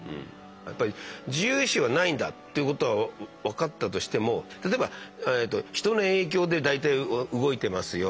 やっぱり自由意志はないんだってことは分かったとしても例えば人の影響で大体動いてますよ。